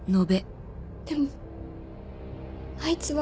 でもあいつは。